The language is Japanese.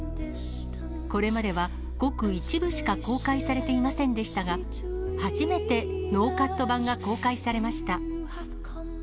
これまでは、ごく一部しか公開されていませんでしたが、初めてノーカット版が公開されました。